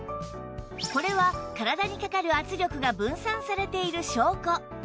これは体にかかる圧力が分散されている証拠